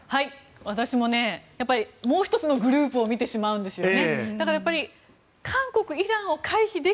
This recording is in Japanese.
私ももう１つのグループを見てしまうんですよね。